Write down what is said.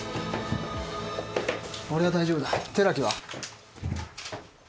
俺は大丈夫だ寺木は？